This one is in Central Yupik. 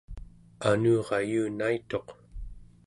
anurayunaituq